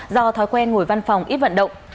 do thói quen ngồi văn phòng ít vận động